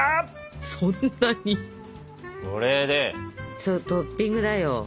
そうトッピングだよ。